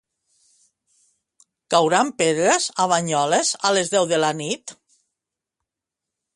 Cauran pedres a Banyoles a les deu de la nit?